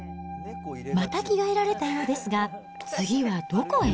また着替えられたようですが、次はどこへ？